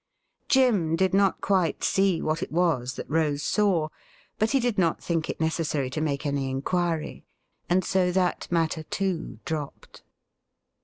Jim did not quite see what it was that Rose saw ; but. he did not think it necessary to make any inquiry, and so that matter, too, dropped.